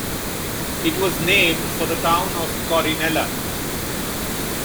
It was named for the town of Corinella.